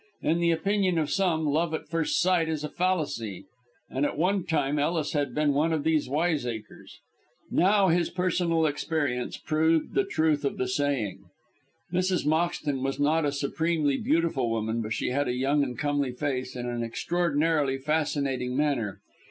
In the opinion of some, love at first sight is a fallacy, and at one time Ellis had been of these wiseacres. Now his personal experience proved the truth of the saying. Mrs. Moxton was not a supremely beautiful woman, but she had a young and comely face, and an extraordinarily fascinating manner.